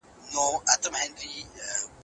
ښوونکی باید د شرمخویو ماشومانو سره نرمي وکړي.